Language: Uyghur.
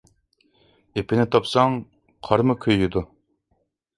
ئېپىنى تاپساڭ قارمۇ كۆيىدۇ.